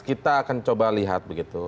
kita akan coba lihat begitu